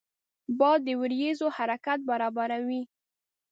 باد د وریځو حرکت برابروي